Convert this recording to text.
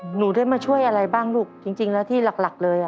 หนูได้มาช่วยอะไรบ้างลูกจริงแล้วที่หลักเลยอ่ะ